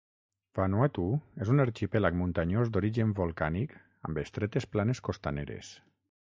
Vanuatu és un arxipèlag muntanyós d'origen volcànic amb estretes planes costaneres.